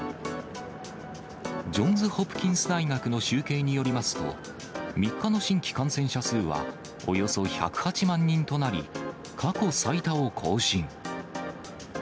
ジョンズ・ホプキンス大学の集計によりますと、３日の新規感染者数はおよそ１０８万人となり、過去最多を更新。